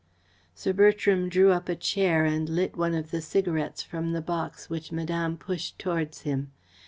Sir Bertram drew up a chair and lit one of the cigarettes from the box which Madame pushed towards him.